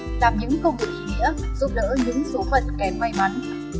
giúp đỡ những số phận kém may mắn